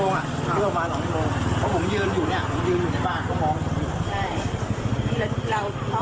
ประมาณสองชั่วโมงพอผมยืนอยู่เนี้ยผมยืนอยู่ในบ้าน